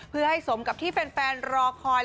เพื่อให้สมกับที่แฟนรอคอย